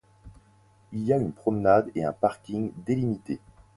Il y a une promenade et un parking délimité.